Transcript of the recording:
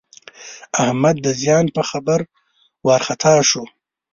احمد د زیان په خبر وارخطا شو.